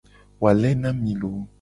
Wale na mi loo.